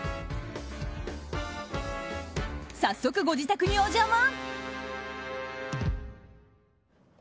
早速、ご自宅にお邪魔。